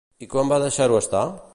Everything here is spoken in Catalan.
I quan va deixar-ho estar?